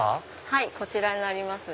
はいこちらになります。